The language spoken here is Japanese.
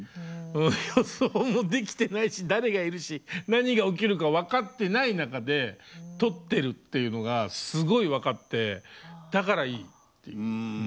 予想もできてないし誰がいるし何が起きるか分かってない中で撮ってるっていうのがすごい分かってだからいいっていう。